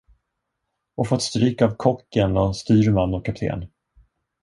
Och fått stryk av kocken och styrman och kapten.